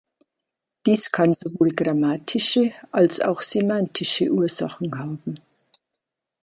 Dies kann sowohl grammatische als auch semantische Ursachen haben.